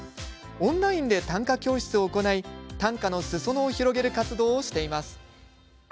オンラインで短歌教室を行い短歌のすそ野を広げる活動をしています。